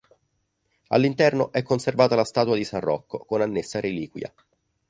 All'interno è conservata la statua di San Rocco, con annessa reliquia.